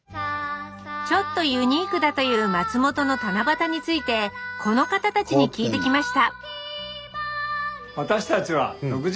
ちょっとユニークだという松本の七夕についてこの方たちに聞いてきました